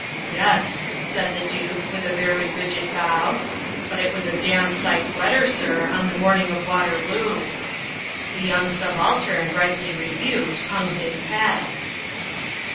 'Yes' said the Duke, with a very rigid bow, 'but it was a damn sight wetter, sir, on the morning of Waterloo.' The young subaltern, rightly rebuked, hung his head."